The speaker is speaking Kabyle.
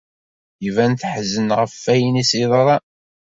Iban teḥzen ɣef ayen i s-yeḍran.